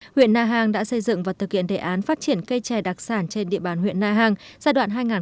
huyện na hàng đã xây dựng và thực hiện đề án phát triển cây chè đặc sản trên địa bàn huyện na hàng